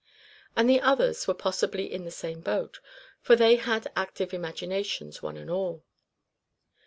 And the others were possibly in the same boat, for they had active imaginations, one and all.